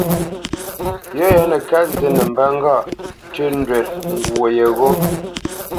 Yɔ̂ ya á nə́ ká zí nə mbə́ ŋgâʼ ntʉ́ ndwə̌ ngwo yegho.